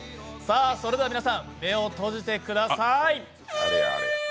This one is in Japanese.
それでは皆さん、目を閉じてください。